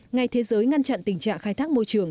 ngày thế giới ngăn chặn tình trạng khai thác môi trường